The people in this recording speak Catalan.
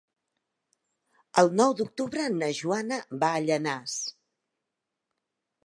El nou d'octubre na Joana va a Llanars.